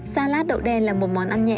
salad đậu đen là một món ăn nhẹ